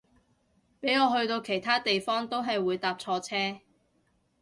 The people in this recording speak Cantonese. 俾我去到其他地方都係會搭錯車